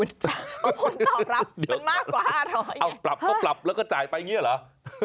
ผลตอบรับมันมากกว่า๕๐๐เอาปรับก็ปรับแล้วก็จ่ายไปอย่างนี้เหรอ